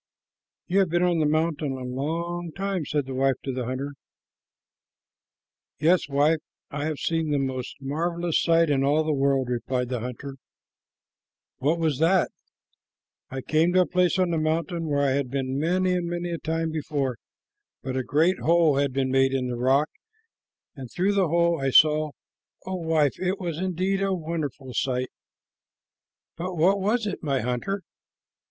"You have been on the mountain a long time," said the wife of the hunter. "Yes, wife, and I have seen the most marvelous sight in all the world," replied the hunter. "What was that?" "I came to a place on the mountain where I had been many and many a time before, but a great hole had been made in the rock, and through the hole I saw oh, wife, it was indeed a wonderful sight!" "But what was it, my hunter?"